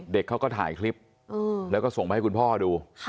เด็กเขาก็ถ่ายคลิปแล้วก็ส่งมาให้คุณพ่อดู